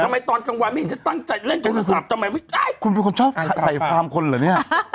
ทำไมตอนกลางวัยไม่ได้ต้นใจเล่นโทรศัพท์คุณเปิดชอบใส่รามคนเหรอเนี่ย